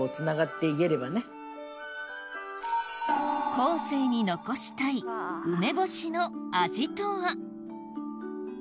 後世に残したい梅干しの味とは？